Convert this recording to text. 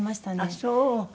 ああそう。